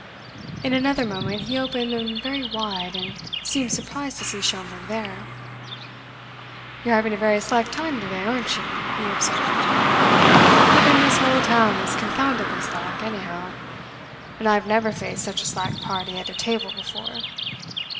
In another moment he opened them very wide, and seemed surprised to see Schomberg there. "You're having a very slack time today, aren't you?" he observed. "But then this whole town is confoundedly slack, anyhow; and I've never faced such a slack party at a table before.